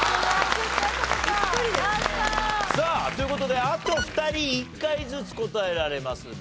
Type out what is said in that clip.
さあという事であと２人１回ずつ答えられますが。